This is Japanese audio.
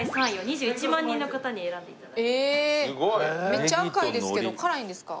めっちゃ赤いですけど辛いんですか？